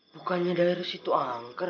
bukannya dari situ angker